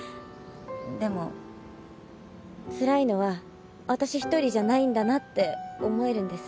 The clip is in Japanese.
でもつらいのは私１人じゃないんだなって思えるんです。